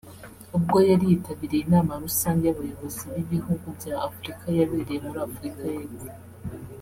ubwo yari yitabiriye inama rusange y’abayobozi b’ibihugu bya Afurika yabereye muri Afurika y’Epfo